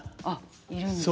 いるんですね。